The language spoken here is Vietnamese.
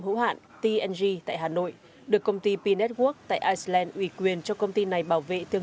hữu hạn tng tại hà nội được công ty p network tại iceland ủy quyền cho công ty này bảo vệ thương